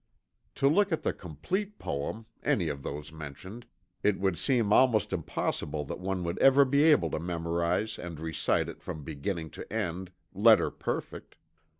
To look at the complete poem (any of those mentioned) it would seem almost impossible that one would ever be able to memorize and recite it from beginning to end, letter perfect.